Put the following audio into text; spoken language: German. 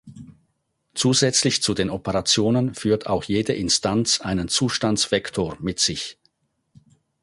Zusätzlich zu den Operationen führt auch jede Instanz einen Zustandsvektor mit sich.